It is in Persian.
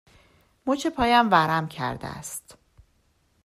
مچ پایم ورم کرده است.